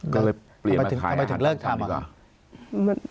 ก็เลยเปลี่ยนมาขายอาหารตามสั่งดีกว่าทำมาจากเลิกทำอ่ะ